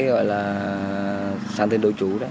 gọi là sang tên đối chú đó